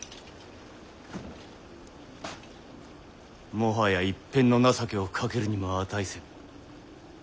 もはや一片の情けをかけるにも値せぬ。